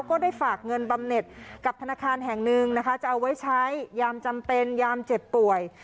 ก็ได้ฝากเงินบำเน็ตกับธนาคารแห่งหนึ่งนะคะจะเอาไว้ใช้ยามจำเป็นยามเจ็บป่วย